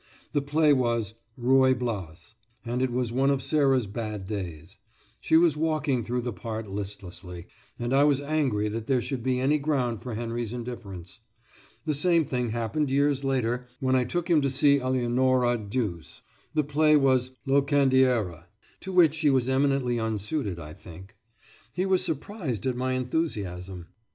The play was "Ruy Blas," and it was one of Sarah's bad days. She was walking through the part listlessly, and I was angry that there should be any ground for Henry's indifference. The same thing happened years later when I took him to see Eleonora Duse. The play was "Locandiera," to which she was eminently unsuited, I think. He was surprised at my enthusiasm.